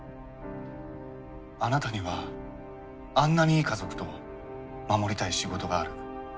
あなたにはあんなにいい家族と守りたい仕事がある。